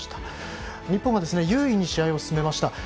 日本は優位に試合を進めました。